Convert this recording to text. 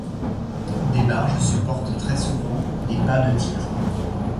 Des barges supportent très souvent les pas de tirs.